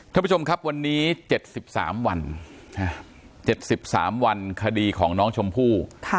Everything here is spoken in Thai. ท่านผู้ชมครับวันนี้๗๓วัน๗๓วันคดีของน้องชมพู่